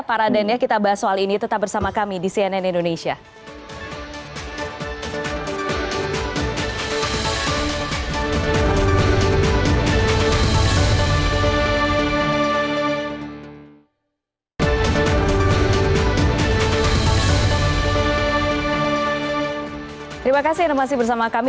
pak raden ya kita bahas soal ini tetap bersama kami